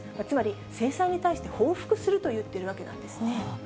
つまり、制裁に対して報復すると言っているわけなんですね。